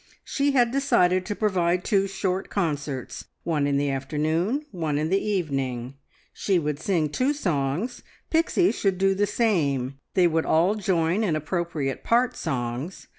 She had decided to provide two short concerts, one in the afternoon, one in the evening. She would sing two songs; Pixie should do the same. They would all join in appropriate part songs.